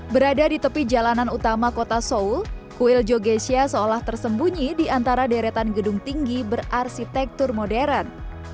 berada di tepi jalanan utama kota seoul kuil jogesia seolah tersembunyi di antara deretan gedung tinggi berarsitektur modern